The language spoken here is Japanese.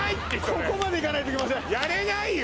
ここまでいかないといけませんやれないよ